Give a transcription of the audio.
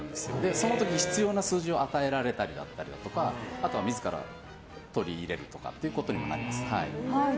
その時、必要な数字を与えられたりだったりとかあとは自ら取り入れるとかということにもなります。